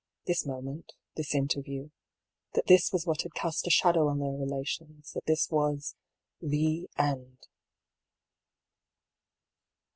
this moment, this interview; that this was what had cast a shadow on their relations, and that this was the end.